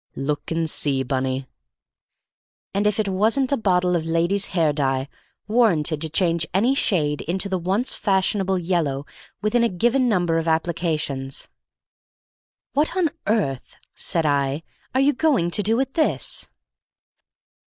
"Look and see, Bunny." And if it wasn't a bottle of ladies' hair dye, warranted to change any shade into the once fashionable yellow within a given number of applications! "What on earth," said I, "are you going to do with this?"